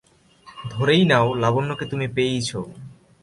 ধরেই নাও, লাবণ্যকে তুমি পেয়েইছ।